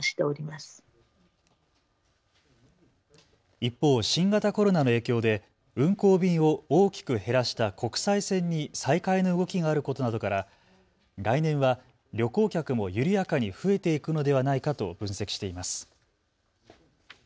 一方、新型コロナの影響で運航便を大きく減らした国際線に再開の動きがあることなどから来年は旅行客も緩やかに増えていくのではないかと分析しています。